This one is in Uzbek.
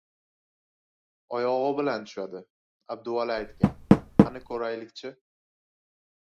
Oyog‘i bilan tushadi! Abduvali aytgan. Qani ko‘raylikchi!